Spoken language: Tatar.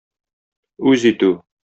Үз итү